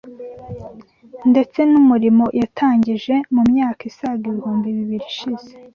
ndetse n’umurimo yatangije mu myaka isaga ibihumbi bibiri ishize